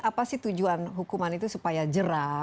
apa sih tujuan hukuman itu supaya jerah